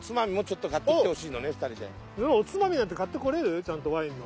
つまみなんて買ってこれる？ちゃんとワインの。